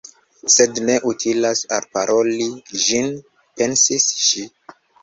"Sed ne utilas alparoli ĝin," pensis ŝi.